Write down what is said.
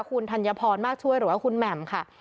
คุณธัญพรมากช่วยหรือว่าคุณแหม่มค่ะ